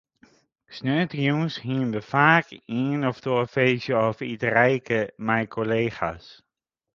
Sneontejûns hiene we faak ien of oar feestje of iterijke mei kollega's.